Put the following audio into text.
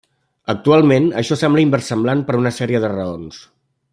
Actualment, això sembla inversemblant per una sèrie de raons.